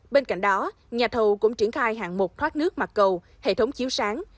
bên cạnh đó nhà thầu cũng triển khai hạng mục thoát nước mặt cầu hệ thống chiếu sáng